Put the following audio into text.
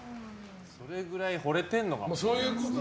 それぐらい、ほれてるのかな。